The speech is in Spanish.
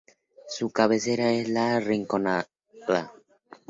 Su cabecera es La Rinconada.